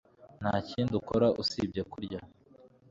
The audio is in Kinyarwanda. Nta kindi ukora usibye kurya